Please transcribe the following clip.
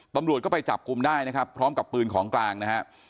ตำรวจก็ไปจับกลุ่มได้นะครับพร้อมกับปืนของกลางนะฮะ